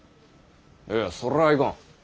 いやそれはいかん。